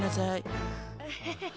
アハハハ。